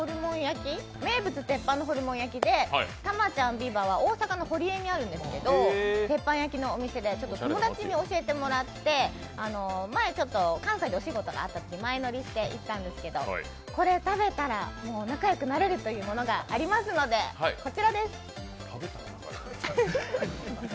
鉄板ホルモン焼きでたまちゃんｖｉｖａ！は大阪の堀江にあるんですけど鉄板焼きのお店で友達に教えてもらって、前、ちょっと関西でお仕事があったときに前乗りして行ってしまったんですが、これ食べたら仲よくなれるというものがありますのでこちらです。